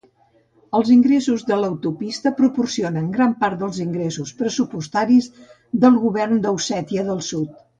Els ingressos de l'autopista proporcionen gran part dels ingressos pressupostaris del govern d'Ossètia del Sud.